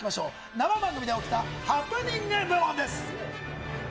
生番組で起きたハプニング部門です。